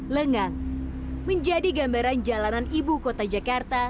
lengang menjadi gambaran jalanan ibu kota jakarta